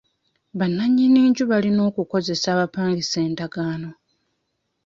Bannanyini nju balina okukozesa abapangisa endagaano.